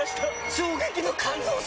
衝撃の感動作！